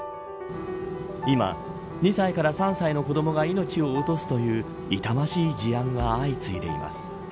今、２歳から３歳の子どもが命を落とすという痛ましい事案が相次いでいます。